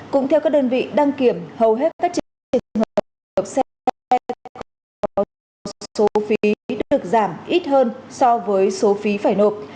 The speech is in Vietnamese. cũng theo các đơn vị đăng kiểm hầu hết các trường hợp nộp xe không có số phí được giảm ít hơn so với số phí phải nộp